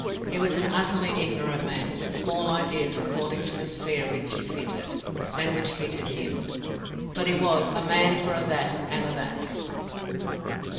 He was an utterly ignorant man, with small ideas according to the sphere which he fitted, and which fitted him; but he was "a man for a' that, an' a' that".